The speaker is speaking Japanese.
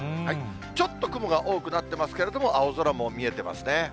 ちょっと雲が多くなってますけれども、青空も見えてますね。